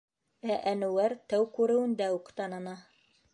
Ә Әнүәр тәү күреүендә үк таныны.